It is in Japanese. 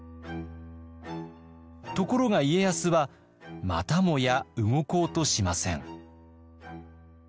ところが家康はまたもや動こうとしません。